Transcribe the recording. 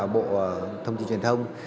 bộ thông tin truyền thông